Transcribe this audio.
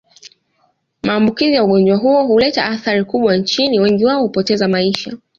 Maambukizi ya ugonjwa huo huleta athari kubwa Nchini wengi wao hupoteza maisha